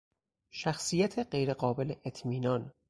شخصیت غیرقابل اطمینان